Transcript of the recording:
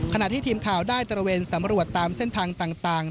ขณะที่ทีมข่าวได้ตระเวนสำรวจตามเส้นทางต่าง